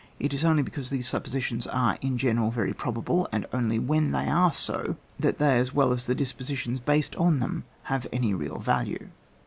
It is only because these supposi tions are in general very probable, and onli/ when they are so, that they as well as the dispositions based on them have any real value.